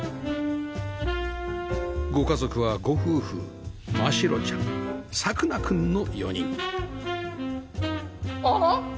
ご家族はご夫婦真代ちゃん朔凪くんの４人あら！？